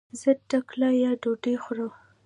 زه ټکله يا ډوډي خورم